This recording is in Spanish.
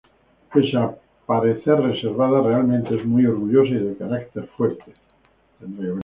Pese a parecer reservada, realmente es muy orgullosa y de carácter fuerte.